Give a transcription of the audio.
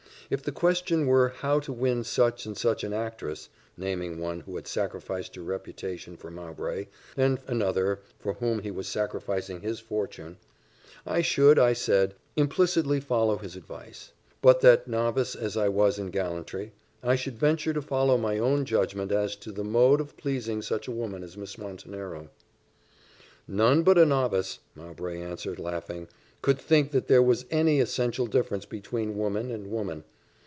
If the question were how to win such and such an actress (naming one who had sacrificed her reputation for Mowbray, and another, for whom he was sacrificing his fortune), I should, I said, implicitly follow his advice; but that, novice as I was in gallantry, I should venture to follow my own judgment as to the mode of pleasing such a woman as Miss Montenero. "None but a novice," Mowbray answered, laughing, "could think that there was any essential difference between woman and woman."